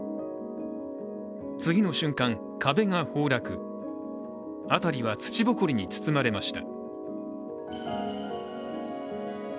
次の瞬間、壁が崩落、辺りは土ぼこりに包まれました。